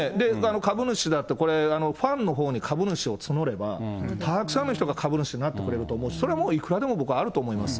株主だって、これ、ファンのほうに株主を募れば、たくさんの人が株主になってくれると思うし、それはもういくらでも、僕はあると思います。